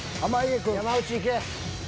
山内いけ。